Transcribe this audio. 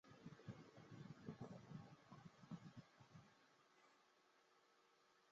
东京鳞毛蕨为鳞毛蕨科鳞毛蕨属下的一个种。